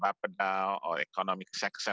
berapa banyak kembang ekonomi di jakarta